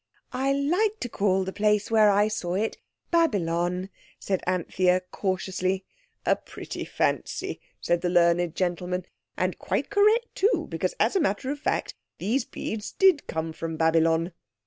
"I like to call the place where I saw it Babylon," said Anthea cautiously. "A pretty fancy," said the learned gentleman, "and quite correct too, because, as a matter of fact, these beads did come from Babylon."